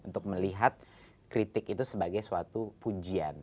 untuk melihat kritik itu sebagai suatu pujian